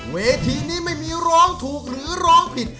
เวทีนี้ไม่มีร้องถูกหรือร้องผิด